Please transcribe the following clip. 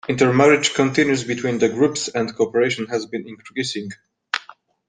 Intermarriage continues between the groups and cooperation has been increasing.